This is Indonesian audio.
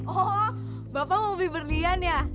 oh bapak mau bibir liyan ya